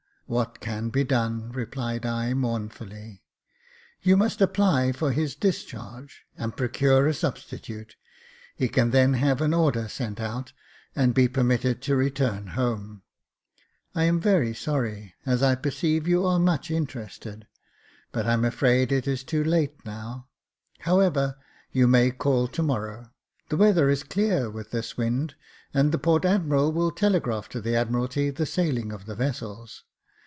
" What can be done ?" replied I, mournfully. You must apply for his discharge, and procure a substitute. He can then have an order sent out, and be permitted to return home. I am very sorry, as I perceive you are much interested 5 but I'm afraid it is too late now. However, you may call to morrow. The weather is clear with this wind, and the port admiral will telegraph to the Admiralty the sailing of the vessels.